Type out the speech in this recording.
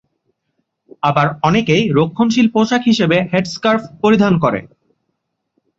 আবার অনেকেই রক্ষণশীল পোশাক হিসেবে হেড-স্কার্ফ পরিধান করে।